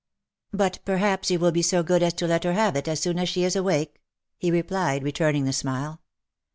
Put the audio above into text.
" But perhaps you will be so good as to let her have it as soon as she is awake ?" he replied, returning the smile.